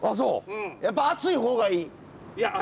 やっぱ暑いほうがいい？